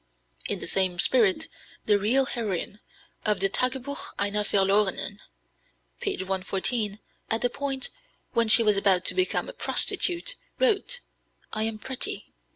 In the same spirit the real heroine of the Tagebuch einer Verlorenen (p. 114), at the point when she was about to become a prostitute, wrote: "I am pretty.